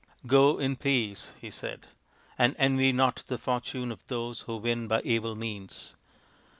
" Go in peace/' he said, " and envy not the fortune of those who win by evil means.